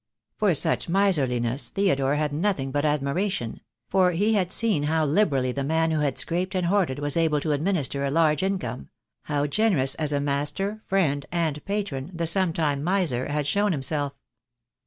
For such miserliness Theodore had nothing but ad miration; for he had seen how liberally the man who had scraped and hoarded was able to administer a large in come— how generous as a master, friend, and patron the sometime miser had shown himself.